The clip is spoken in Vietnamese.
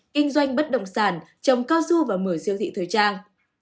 kinh doanh bất động sản trồng cao su và mở siêu thị thời trang